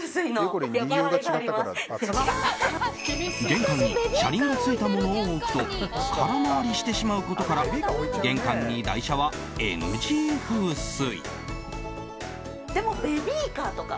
玄関に車輪がついたものを置くと空回りしてしまうことから玄関に台車はＮＧ風水。